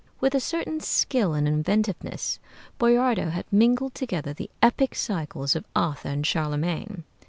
With a certain skill and inventiveness, Boiardo had mingled together the epic cycles of Arthur and Charlemagne.